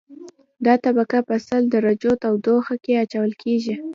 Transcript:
دا طبقه په سل درجو تودوخه کې اچول کیږي